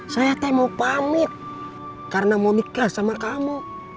saya teh mau pamit karena mau nikah sama kamu